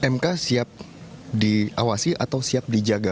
mk siap diawasi atau siap dijaga